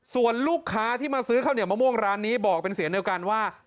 ส่วนลูกค้าที่มาซื้อข้าวเหนียวมะม่วงร้านนี้บอกเป็นเสียงเดียวกันว่า